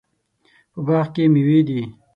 په باغ کې میوې دي